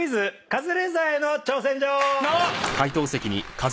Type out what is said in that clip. カズレーザーへの挑戦状！